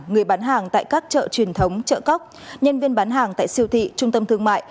người bán hàng tại các chợ truyền thống chợ cóc nhân viên bán hàng tại siêu thị trung tâm thương mại